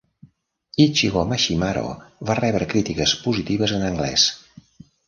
"Ichigo Mashimaro" va rebre crítiques positives en anglès.